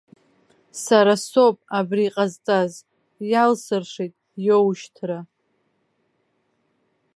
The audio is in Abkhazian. Сара соуп абри ҟазҵаз, иалсыршеит иоушьҭра.